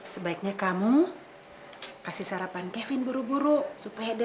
sebaiknya kamu kasih sarapan kevin buru buru supaya dia cepat cepat tidur